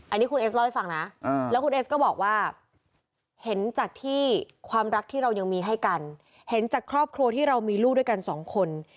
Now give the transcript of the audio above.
อันนี้คุณเอสเล่าให้ฟังนะแล้วคุณเอสก็บอกว่าเห็นจากที่ความรักที่เรายังมีให้กันเห็นจากครอบครัวที่เรามีลูกด้วยกันสองคน